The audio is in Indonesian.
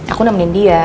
aku nemenin dia